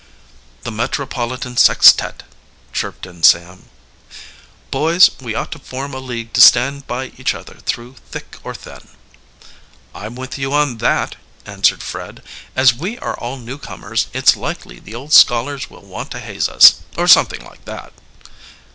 "The metropolitan sextet," chirped in Sam. "Boys, we ought to form a league to stand by each other through thick or thin." "I'm with you on that," answered Fred. "As we are all newcomers, it's likely the old scholars will want to haze us, or, something like that."